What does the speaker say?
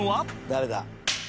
「誰だ？」